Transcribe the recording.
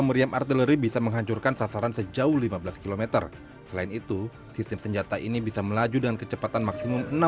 meriam artileri juga memiliki kemampuan gerak sendiri karena ditempatkan di atas sasis tank roda rantai